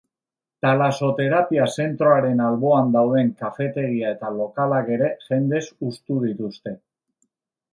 Talasoterapia zentroaren alboan dauden kafetegia eta lokalak ere jendez hustu dituzte.